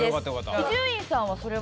伊集院さんはそれは。